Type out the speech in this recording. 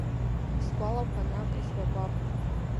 Сгәалақәа наҟ изжәагәап…